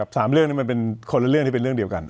สามเรื่องนี้มันเป็นคนละเรื่องที่เป็นเรื่องเดียวกัน